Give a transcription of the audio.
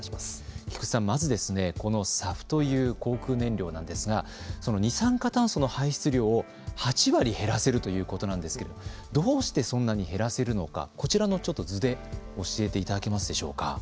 菊池さん、まずこのＳＡＦという航空燃料なんですが二酸化炭素の排出量を８割減らせるということなんですけどどうして、そんなに減らせるのかこちらの図で教えていただけますでしょうか。